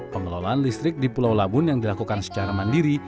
pengelolaan listrik di pulau labun yang dilakukan secara mandiri